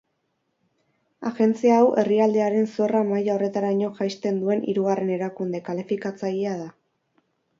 Agentzia hau herrialdearen zorra maila horretaraino jaisten duen hirugarren erakunde kalifikatzailea da.